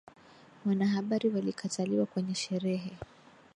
Wanahabari walikataliwa kwenye sherehe